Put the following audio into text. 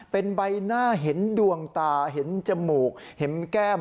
เป็นใบหน้าเห็นดวงตาเห็นจมูกเห็นแก้ม